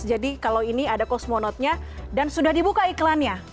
jadi kalau ini ada kosmonautnya dan sudah dibuka iklannya